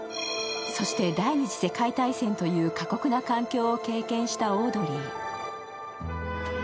そして、第二次世界大戦という過酷な環境を経験したオードリー。